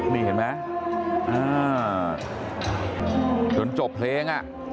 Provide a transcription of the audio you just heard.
นี่เห็นมั้ยจนจบเพลง